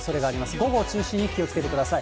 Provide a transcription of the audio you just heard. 午後を中心に気をつけてください。